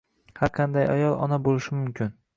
Har qanday ayol ona bo'lishi mumkin